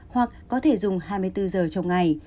hoặc có thể dùng hai mươi bốn giờ trong ngày